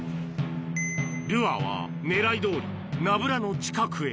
ルアーは狙いどおり、ナブラの近くへ。